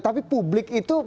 tapi publik itu